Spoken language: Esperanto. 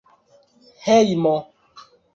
hejmo